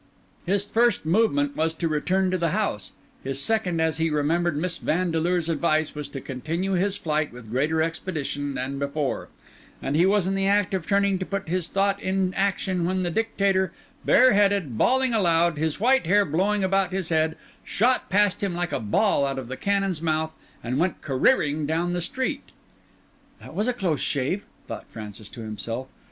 His first movement was to return to the house; his second, as he remembered Miss Vandeleur's advice, to continue his flight with greater expedition than before; and he was in the act of turning to put his thought in action, when the Dictator, bareheaded, bawling aloud, his white hair blowing about his head, shot past him like a ball out of the cannon's mouth, and went careering down the street. "That was a close shave," thought Francis to himself.